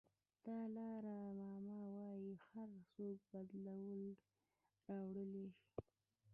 دالای لاما وایي هر څوک بدلون راوړلی شي.